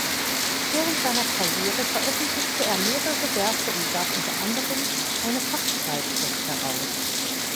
Während seiner Karriere veröffentlichte er mehrere Werke und gab unter anderem eine Fachzeitschrift heraus.